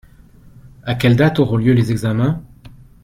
À quelle date auront lieu les examens ?